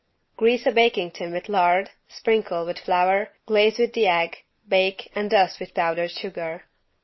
Grease a baking tin with lard, sprinkle, with flour, glaze with the egg, bake and dust with powdered sugar.